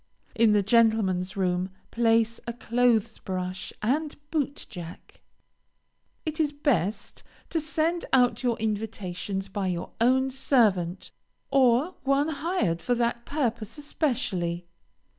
In the gentlemen's room, place a clothes brush and boot jack. It is best to send out your invitations by your own servant, or one hired for that purpose especially.